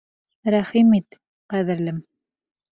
Рәхим ит, ҡәҙерлем!